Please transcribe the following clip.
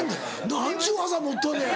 何ちゅう技持っとんねん。